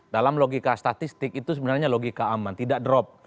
dalam logika statistik itu sebenarnya logika aman tidak drop